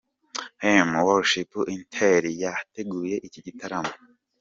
Heman worshipers Int'l yateguye iki gitaramo.